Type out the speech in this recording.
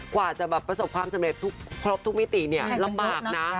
กว่าจะประสบความสำเร็จขทบทุกมิติลำบากนะ